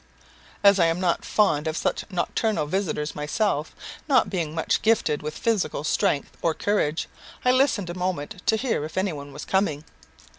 As I am not fond of such nocturnal visitors myself, not being much gifted with physical strength or courage, I listened a moment to hear if any one was coming.